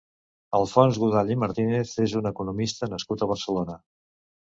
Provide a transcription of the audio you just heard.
Alfons Godall i Martínez és un economista nascut a Barcelona.